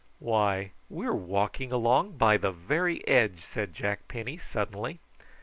"Why, we're walking along by the very edge," said Jack Penny suddenly.